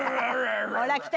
ほら来た。